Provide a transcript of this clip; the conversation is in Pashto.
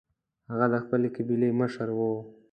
هغه د خپلې قبیلې مشر و.